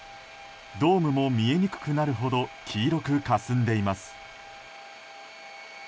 ドームも見えにくくなるほど黄色くかすんでいます。